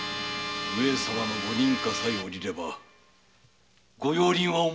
上様のご認可さえ下りれば御用林は思いのままだ。